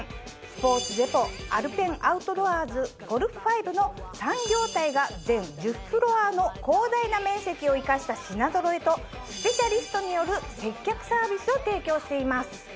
スポーツデポアルペンアウトドアーズゴルフ５の３業態が全１０フロアの広大な面積を生かした品ぞろえとスペシャリストによる接客サービスを提供しています。